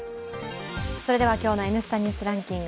今日の「Ｎスタ・ニュースランキング」。